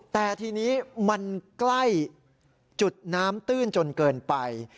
แต่ทีนี้มันใกล้จุดน้ำตื้นจนเกินไป